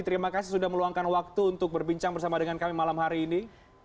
terima kasih sudah meluangkan waktu untuk berbincang bersama dengan kami malam hari ini